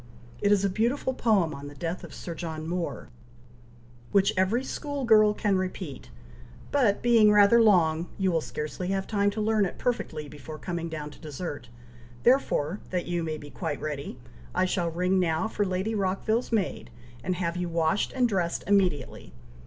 It is a beautiful poem on the death of Sir John Moore, which every school girl can repeat, but being rather long, you will scarcely have time to learn it perfectly, before coming down to dessert, therefore, that you may be quite ready, I shall ring now for Lady Rockville's maid, and have you washed and dressed immediately.